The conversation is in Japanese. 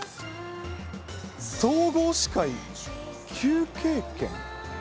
総合司会休憩券。